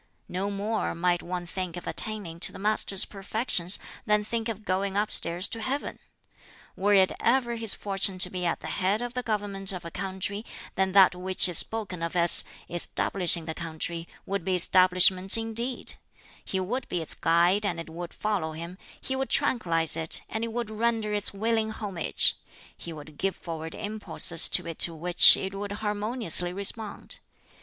No more might one think of attaining to the Master's perfections than think of going upstairs to Heaven! Were it ever his fortune to be at the head of the government of a country, then that which is spoken of as 'establishing the country' would be establishment indeed; he would be its guide and it would follow him, he would tranquillize it and it would render its willing homage: he would give forward impulses to it to which it would harmoniously respond.